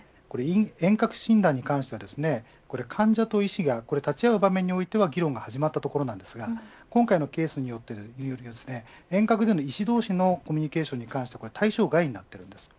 遠隔診断に関しては患者と医師が立ち合う場面においては議論が始まったところですが今回のケースによって遠隔での医師同士のコミュニケーションに関しては対象外になっています。